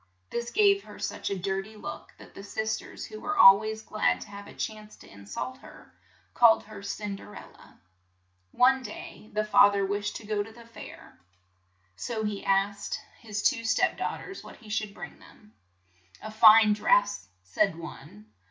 This gave her such a dir ty look that the sis ters, who were al ways glad to have a chance to in sult her, called her Cin der el la. One day the fa ther wished to go to the fair, so he asked CINDERELLA AT HER MOTHER'S GRAVE. 98 CINDERELLA his two step daugh ters what he should bring them. "A fine dress," said one.